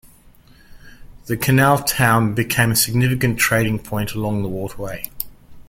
The canal town became a significant trading point along the waterway.